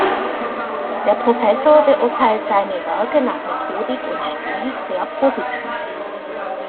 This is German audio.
Der Professor beurteilt seine Werke nach Methodik und Stil sehr positiv.